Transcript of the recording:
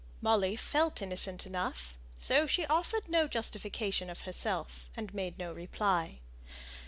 Molly felt innocent enough, so she offered no justification of herself, and made no reply.